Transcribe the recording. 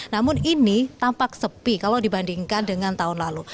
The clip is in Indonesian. namun ini tampak sepi kalau dibandingkan dengan tahun lalu